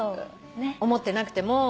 思ってなくても。